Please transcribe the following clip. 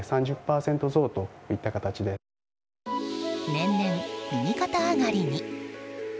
年々、右肩上がりに。